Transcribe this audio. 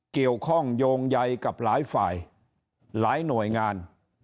เกี่ยวข้องโยงใยกับหลายฝ่ายหลายหน่วยงาน